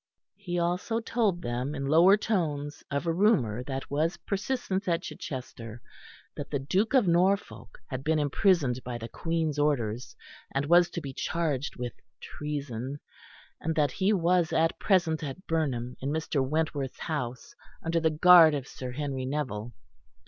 He also told them in lower tones of a rumour that was persistent at Chichester that the Duke of Norfolk had been imprisoned by the Queen's orders, and was to be charged with treason; and that he was at present at Burnham, in Mr. Wentworth's house, under the guard of Sir Henry Neville.